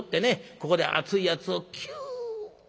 ここで熱いやつをキュッ。